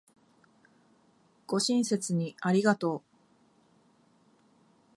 ご親切にありがとう